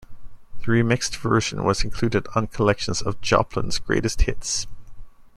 The remixed version was included on collections of Joplin's greatest hits.